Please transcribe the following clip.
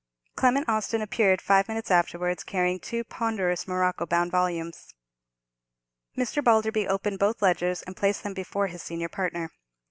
Clement Austin appeared five minutes afterwards, carrying two ponderous morocco bound volumes. Mr. Balderby opened both ledgers, and placed them before his senior partner.